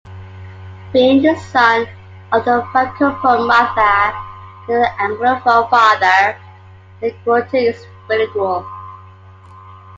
Being the son of a Francophone mother and an Anglophone father, McGuinty is bilingual.